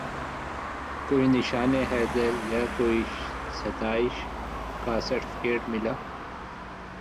کوئی نشان حیدر یا کوئی ستائش کا سرٹیفکیٹ ملا